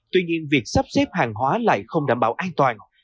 tuy nhiên việc sắp xếp hàng hóa lại không đảm bảo an toàn